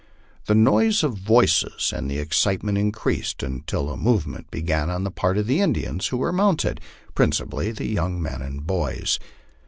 The noise of voices and the excitement increased until a move ment began on the part of the Indians who were mounted, principally the young men and boys.